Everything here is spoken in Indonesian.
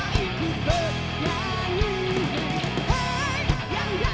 hiduplah indonesia raya